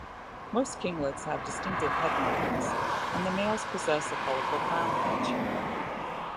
Most kinglets have distinctive head markings, and the males possess a colourful crown patch.